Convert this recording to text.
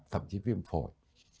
thậm chí viêm phổi